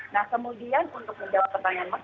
nah kemudian untuk menjawab pertanyaan mas